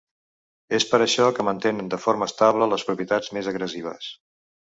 És per això que mantenen de forma estable les propietats més agressives.